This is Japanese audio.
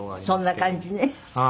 そんな感じね。